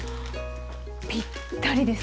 ぴったりですね。